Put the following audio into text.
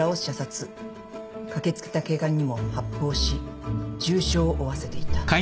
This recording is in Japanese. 駆け付けた警官にも発砲し重傷を負わせていた」